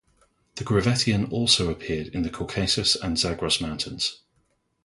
The Gravettian also appeared in the Caucasus and Zagros mountains.